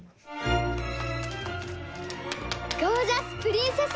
ゴージャスプリンセス